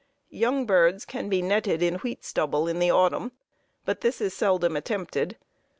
Young birds can be netted in wheat stubble in the autumn, but this is seldom attempted.